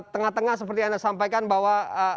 tengah tengah seperti anda sampaikan bahwa